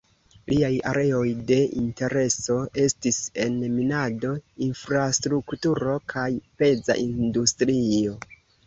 Liaj areoj de intereso estis en minado, infrastrukturo kaj peza industrio.